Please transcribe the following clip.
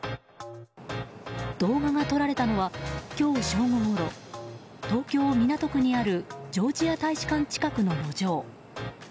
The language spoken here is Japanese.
動画が撮られたのは今日正午ごろ東京・港区にあるジョージア大使館近くの路上。